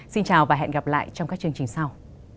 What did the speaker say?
xin chào và hẹn gặp lại trong các chương trình sau